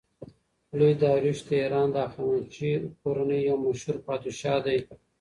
لوی داریوش د ایران د هخامنشي کورنۍ یو مشهور پادشاه دﺉ.